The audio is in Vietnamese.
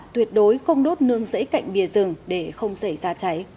tuyệt đối không đốt nương dãy cạnh bìa rừng để không xảy ra cháy